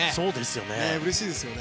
うれしいですよね。